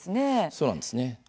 そうなんです。